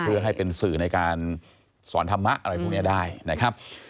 เพื่อให้เป็นสื่อในการสอนธรรมะอะไรพวกนี้ได้นะครับ